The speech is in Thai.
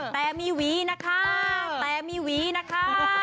แต่มีหวีนะคะแต่มีหวีนะคะ